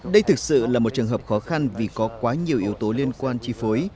đây thực sự là một trường hợp khó khăn vì có quá nhiều yếu tố liên quan chi phối